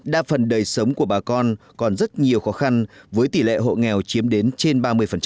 đa phần đời sống của bà con còn rất nhiều khó khăn với tỷ lệ hộ nghèo chiếm đến trên ba mươi